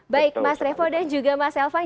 baik mas revo dan juga mas elvan